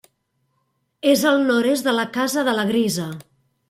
És al nord-est de la casa de la Grisa.